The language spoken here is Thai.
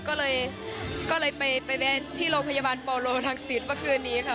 ก็เลยก็เลยไปไปแบบที่โรงพยาบาลโปรโลทางศิลป์เมื่อคืนนี้ค่ะ